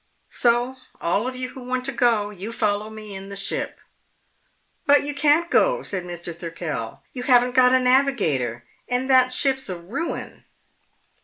So, all of you who want to go, you follow me in the ship." "But you can't go!" said Mr. Thirkell. "You haven't got a navigator. And that ship's a ruin!"